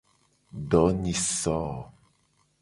Donyiso.